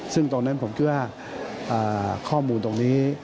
ซึ่งตรงนั้นผมคิดว่าข้อมูลตรงนี้